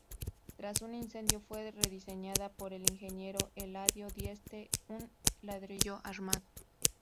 Tras un incendio fue rediseñada por el ingeniero Eladio Dieste en ladrillo armado.